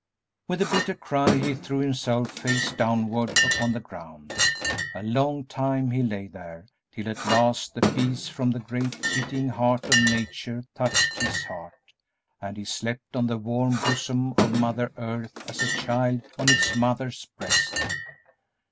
With a bitter cry he threw himself, face downward, upon the ground. A long time he lay there, till at last the peace from the great pitying heart of Nature touched his heart, and he slept on the warm bosom of Mother Earth as a child on its mother's breast.